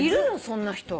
そんな人。